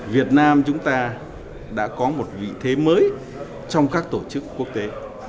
việt nam chúng ta đã có một vị thế mới trong các tổ chức quốc tế